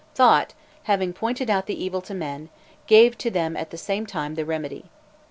Thot, having pointed out the evil to men, gave to them at the same time the remedy.